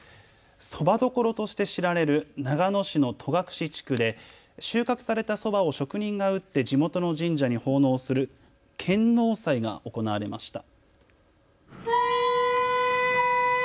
そばどころとして知られる長野市の戸隠地区で収穫されたそばを職人が打って地元の神社に奉納する献納祭が行われました。